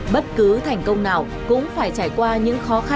bất cứ thành công nào cũng phải trải qua những khó khăn